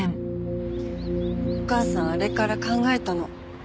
お母さんあれから考えたの。